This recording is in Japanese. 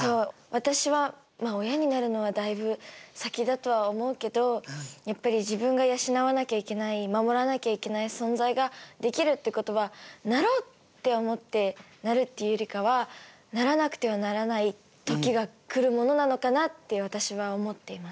私は親になるのはだいぶ先だとは思うけどやっぱり自分が養わなきゃいけない守らなきゃいけない存在ができるってことはなろうって思ってなるっていうよりかはならなくてはならない時が来るものなのかなって私は思っています。